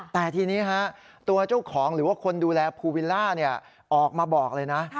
แต่ทีนี้ตัวเจ้าของหรือว่าคนดูแลภูวิลล่าออกมาบอกเลยนะ